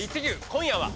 今夜は。